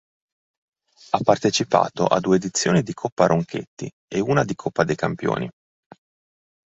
Ha partecipato a due edizioni di Coppa Ronchetti e una di Coppa dei Campioni.